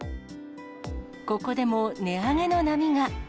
ここでも値上げの波が。